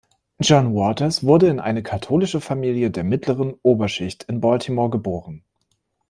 John Waters wurde in eine katholische Familie der mittleren Oberschicht in Baltimore geboren.